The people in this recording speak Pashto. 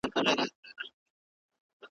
پر خوبونو یې جگړې دي د خوارانو .